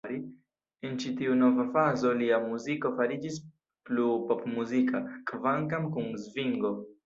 En ĉi-tiu nova fazo lia muziko fariĝis plu popmuzika, kvankam kun svingo.